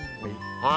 はい。